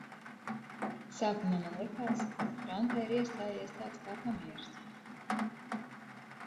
Sākumā man likās, ka frontē ir iestājies tāds kā pamiers.